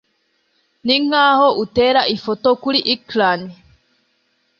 Ninkaho utera ifoto kuri ecran